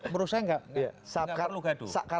menurut saya enggak